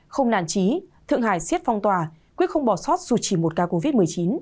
không nản trí thượng hải siết phong tòa quyết không bỏ sót dù chỉ một ca covid một mươi chín